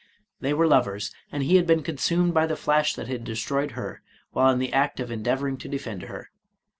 *' They were lovers, and he had been consumed by the flash that had destroyed her, while in the act of endeavoring to defend her.